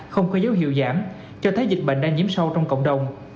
không có dấu hiệu giảm cho thấy dịch bệnh đang nhiễm sâu trong cộng đồng